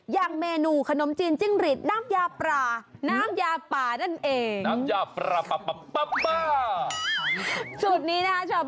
ยางเมนูขนมจิ้นจิ้งรีดน้ำยาปลานั่นเอง